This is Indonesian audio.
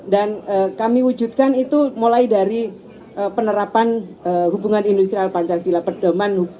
dan kami wujudkan itu mulai dari penerapan hubungan industrial pancasila perdoman